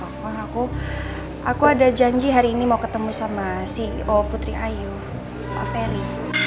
aku aku ada janji hari ini mau ketemu sama ceo putri ayu pak ferry